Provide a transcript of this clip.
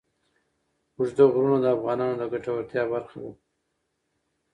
اوږده غرونه د افغانانو د ګټورتیا برخه ده.